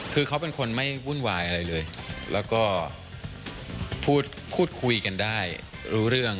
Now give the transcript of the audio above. คือเขาเป็นคนไม่วุ่นวายอะไรเลยแล้วก็พูดคุยกันได้รู้เรื่อง